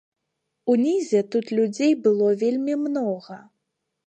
Унізе тут людзей было вельмі многа.